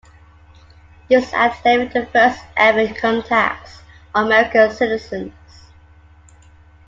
This act levied the first ever income tax on American citizens.